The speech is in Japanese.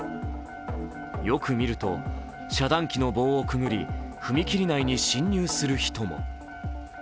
よく見ると遮断機の棒をくぐり踏切内に進入する人も。